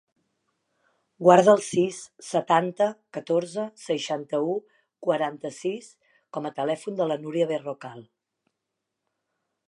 Guarda el sis, setanta, catorze, seixanta-u, quaranta-sis com a telèfon de la Núria Berrocal.